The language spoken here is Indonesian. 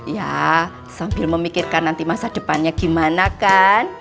ya sambil memikirkan nanti masa depannya gimana kan